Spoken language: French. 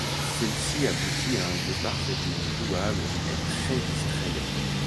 Celle-ci aboutit à un jeu parfaitement jouable et très distrayant.